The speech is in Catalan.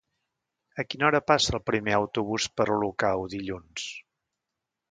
A quina hora passa el primer autobús per Olocau dilluns?